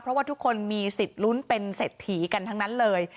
เพราะว่าทุกคนมีสิทธิ์ลุ้นเป็นเศรษฐีกันทั้งนั้นเลย